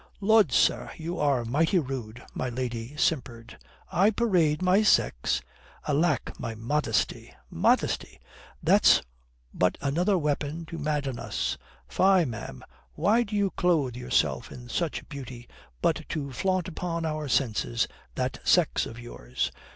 "Lud, sir, you are mighty rude," my lady simpered. "I parade my sex? Alack, my modesty!" "Modesty that's but another weapon to madden us. Fie, ma'am, why do you clothe yourself in such beauty but to flaunt upon our senses that sex of yours?"